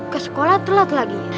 ke sekolah telat lagi